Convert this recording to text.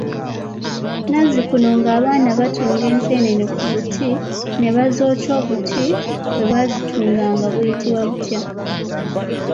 Nazzikuno ng'abaana batunga enseenene ku buti ne bazookya, obuti kwe baazitunganga buyitibwa butya?